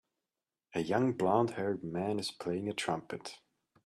A young blondhaired man is playing a trumpet.